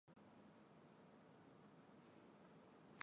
球队主场是伦敦奥林匹克体育场。